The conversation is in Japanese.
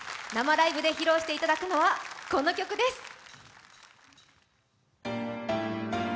生ライブで披露していただくのはこの曲です。